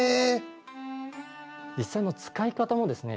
実際の使い方もですね